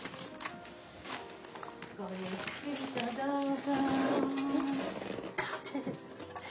ごゆっくりとどうぞ。